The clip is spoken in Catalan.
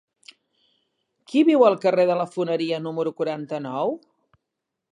Qui viu al carrer de la Foneria número quaranta-nou?